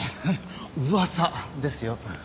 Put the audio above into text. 噂ですよ。